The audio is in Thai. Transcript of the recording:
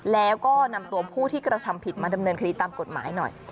แล้วก็นำตัวผู้ที่กระทำผิดมาดำเนินคดีตามกฎหมายหน่อย